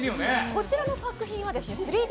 こちらの作品は３Ｄ